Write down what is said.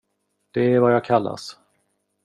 Det är vad jag kallas.